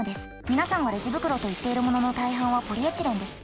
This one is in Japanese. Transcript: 皆さんがレジ袋といっているものの大半はポリエチレンです。